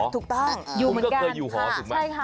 ถูกต้องอยู่เหมือนกันค่ะใช่ค่ะคุณก็เคยอยู่ห่อถูกไหม